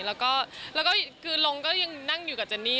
แล้วก็คือลงก็ยังนั่งอยู่กับเจนนี่